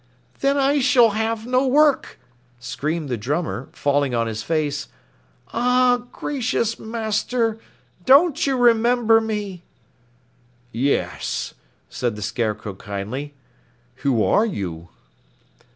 "Then I shall have no work!" screamed the drummer, falling on his face. "Ah, Gracious Master, don't you remember me?" "Yes," said the Scarecrow kindly, "who are you?"